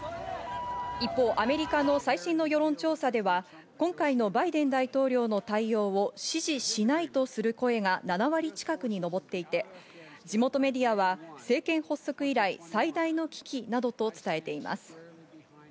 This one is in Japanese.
一方、アメリカの最新の世論調査では今回のバイデン大統領の対応を支持しないとする声が７割近くに上っていて、地元メディアは政権発足以来、最大の危機などと伝えています。